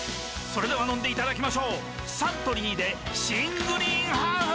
それでは飲んでいただきましょうサントリーで新「グリーンハーフ」！